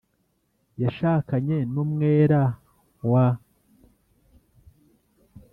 Yashakanye n’umwera w